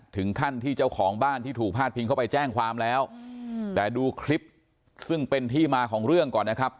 ถึงขั้นที่เจ้าของบ้านที่ถูกพาดพิงเข้าไปแจ้งความแล้วแต่ดูคลิปซึ่งเป็นที่มาของเรื่องก่อนนะครับ